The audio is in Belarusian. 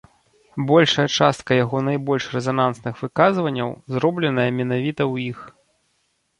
Большая частка яго найбольш рэзанансных выказванняў зробленая менавіта ў іх.